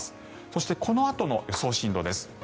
そしてこのあとの予想進路です。